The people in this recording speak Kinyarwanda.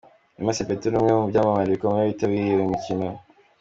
Wema Sepetu ni umwe mu byamamare bikomeye byitabiriye uyu mukino.